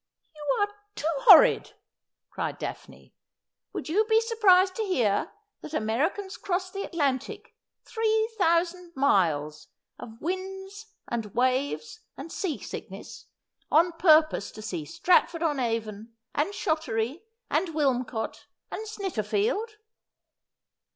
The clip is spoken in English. ' You are too horrid,' cried Daphne. ' Would you be sur prised to hear that Americans cross the Atlantic — ^three thou sand miles of winds and waves and sea sickness — on purpose to see Stratford on Avon, and Shottery, and Wilmcote, and Snit terfield